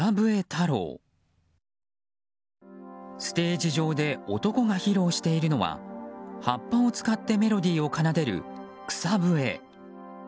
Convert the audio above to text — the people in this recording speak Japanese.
ステージ上で男が披露しているのは葉っぱを使ってメロディーを奏でる草笛。